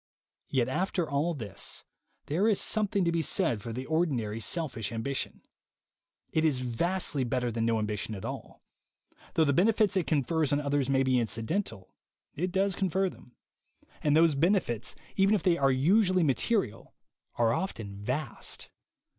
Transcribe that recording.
Yet after all this, there is something to be said for the ordinary selfish ambition. It is vastly better than no ambition at all. Though the benefits it confers on others may be incidental, it does confer them; and those benefits, even if they are usually material, are often vast.